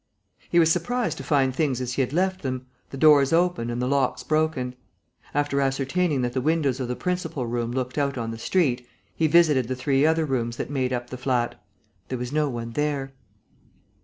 He was surprised to find things as he had left them, the doors open and the locks broken. After ascertaining that the windows of the principal room looked out on the street, he visited the three other rooms that made up the flat. There was no one there.